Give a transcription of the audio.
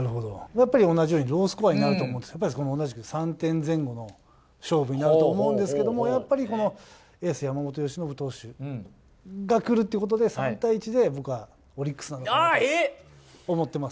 やっぱり同じようにロースコアになると思って、同じく３点前後の勝負になると思うんですけども、やっぱりこのエース山本由伸投手がくるっていうことで、３対１で僕はオリックスの勝ちだと思ってます。